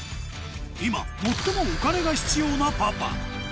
今最もお金が必要なパパ